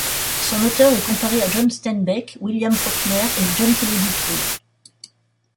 Son auteur est comparé à John Steinbeck, William Faulkner et John Kennedy Toole.